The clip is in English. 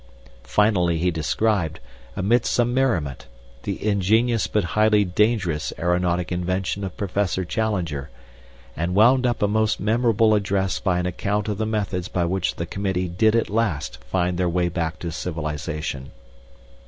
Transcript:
Finally he described, amongst some merriment, the ingenious but highly dangerous aeronautic invention of Professor Challenger, and wound up a most memorable address by an account of the methods by which the committee did at last find their way back to civilization.